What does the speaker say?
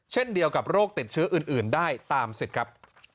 เช่นเดียวกับโรคติดเชื้ออื่นได้ตามสิทธิ์ครับ